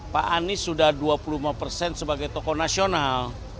pak anies sudah dua puluh lima persen sebagai tokoh nasional